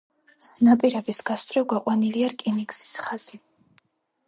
ნაპირების გასწვრივ გაყვანილია რკინიგზის ხაზი.